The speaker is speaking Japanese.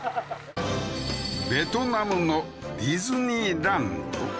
ベトナムのディズニーランド